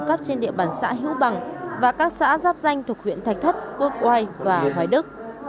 cấp trên địa bàn xã hữu bằng và các xã giáp danh thuộc huyện thạch thất quốc oai và hoài đức